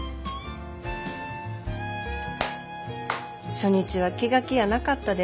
初日は気が気やなかったで。